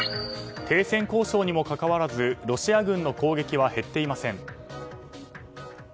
停戦交渉にもかかわらずロシア軍の攻撃は減っていません。